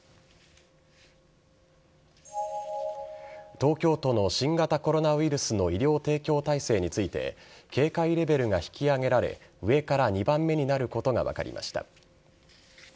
東京都の新型コロナウイルスの医療提供体制について警戒レベルが引き上げられ上から２番目になることが分かりました。